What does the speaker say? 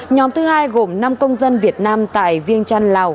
nhóm thứ hai gồm năm công dân việt nam tại viêng trăn lào